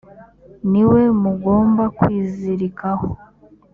ni we mugomba kwizirikaho.